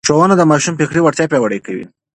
ښوونه د ماشوم فکري وړتیا پياوړې کوي.